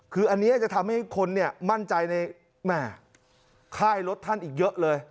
คืออันนี้จะทำให้คนมั่นใจในแม่ค่ายรถท่านอีกเยอะเลย